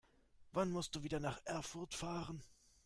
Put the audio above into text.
Wann musst du wieder nach Erfurt fahren?